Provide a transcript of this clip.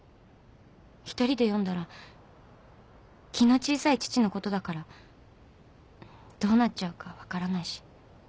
一人で読んだら気の小さい父のことだからどうなっちゃうか分からないし。